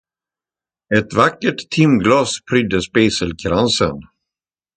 Ett vackert timglas prydde spiselkransen.